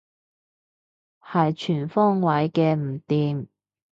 係全方位嘅唔掂